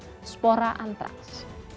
seperti spora antraks